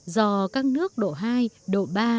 do các nước độ hai độ ba